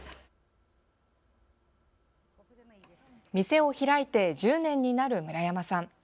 店を開いて１０年になる村山さん。